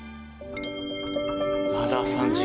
まだ３時間半。